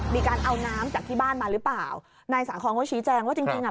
มีการเอาน้ำจากที่บ้านมาหรือเปล่านายสาคอนก็ชี้แจงว่าจริงจริงอ่ะ